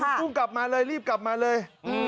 คุณกุ้งกลับมาเลยรีบกลับมาเลย